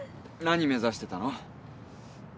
何目指してたの？